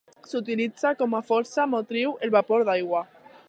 S'utilitza com a força motriu el vapor d'aigua.